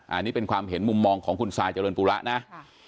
อ่านี่เป็นความเห็นมุมมองของคุณสายจรวนปุระนะค่ะ